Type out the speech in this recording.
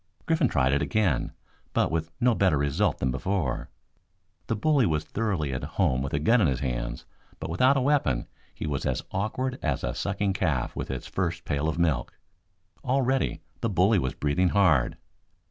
Griffin tried it again, but with no better result than before. The bully was thoroughly at home with a gun in his hands, but without a weapon he was as awkward as a sucking calf with its first pail of milk. Already the bully was breathing hard.